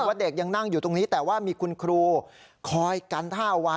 ว่าเด็กยังนั่งอยู่ตรงนี้แต่ว่ามีคุณครูคอยกันท่าเอาไว้